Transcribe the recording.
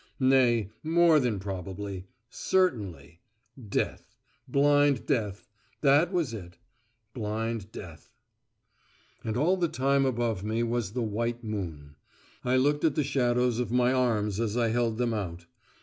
Nay, more than probably. Certainly. Death. Blind death. That was it. Blind death. And all the time above me was the white moon. I looked at the shadows of my arms as I held them out.